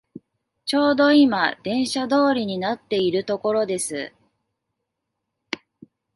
ちょうどいま電車通りになっているところです